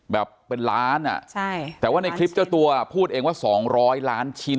แบบเป็นล้านแต่ว่าในคลิปเจ้าตัวพูดเองว่า๒๐๐ล้านชิ้น